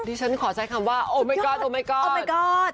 ดิฉันขอใจคำว่าโอ้มายก็อดโอ้มายก็อด